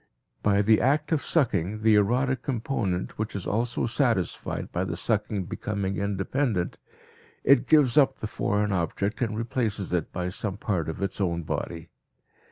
By the act of sucking, the erotic component which is also satisfied by the sucking becoming independent, it gives up the foreign object and replaces it by some part of its own body.